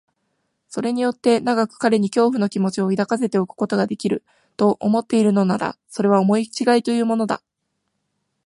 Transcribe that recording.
それによって長く彼に恐怖の気持を抱かせておくことができる、と思っているのなら、それは思いちがいというものだ。